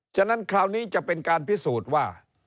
ฉะนั้นคราวนี้จะเป็นการพิสูจน์ว่า